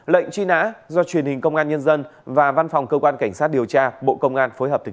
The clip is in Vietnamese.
lệnh truy nã do truyền hình công an nhân dân và văn phòng cơ quan cảnh sát điều tra bộ công an phối hợp thực